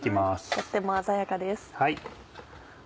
とっても鮮やかです。